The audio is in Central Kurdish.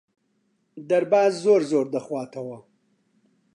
دەرباز زۆر زۆر دەخواتەوە.